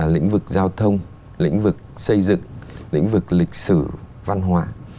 lĩnh vực giao thông lĩnh vực xây dựng lĩnh vực lịch sử văn hóa